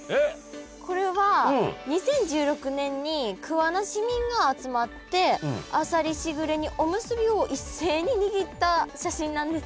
これは２０１６年に桑名市民が集まってあさりしぐれ煮おむすびを一斉ににぎった写真なんです。